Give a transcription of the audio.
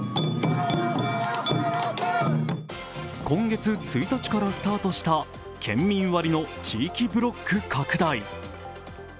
今月１日からスタートした県民割の地域ブロック拡大。